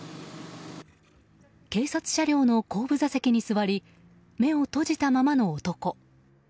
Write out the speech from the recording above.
警察車両の後部座席に座り目を閉じたままの男。